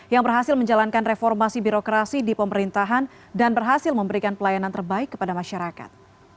yang berhasil menjalankan reformasi birokrasi di pemerintahan dan berhasil memberikan pelayanan terbaik kepada masyarakat